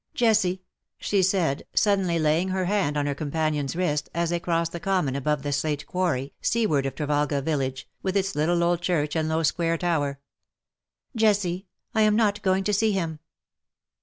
" Jessie/^ she said, suddenly laying her hand on her companion's wrist, as they crossed the common above the slate quarry, seaward of Trevalga village, with its little old church and low square tower. " Jessie, I am not going to see him.''